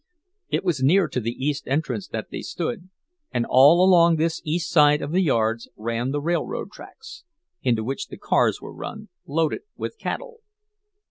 It was near to the east entrance that they stood, and all along this east side of the yards ran the railroad tracks, into which the cars were run, loaded with cattle.